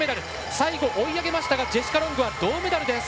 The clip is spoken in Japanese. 最後、追い上げましたがジェシカ・ロングは銅メダルです。